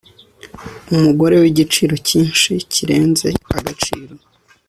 umugore wigiciro cyinshi, kirenze agaciro